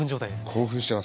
興奮してます